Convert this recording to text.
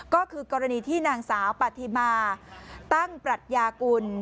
ก็คือกรณีที่นางสาวปฏิมาตั้งปรัชญากุล